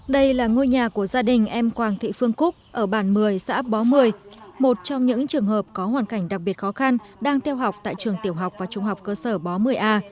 đây là ngôi nhà của gia đình em quang thị phương cúc ở bản một mươi xã bó một mươi một trong những trường hợp có hoàn cảnh đặc biệt khó khăn đang theo học tại trường tiểu học và trung học cơ sở bó một mươi a